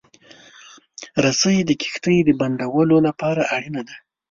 رسۍ د کښتۍ د بندولو لپاره اړینه ده.